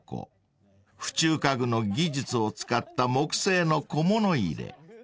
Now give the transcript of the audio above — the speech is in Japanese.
［府中家具の技術を使った木製の小物入れ］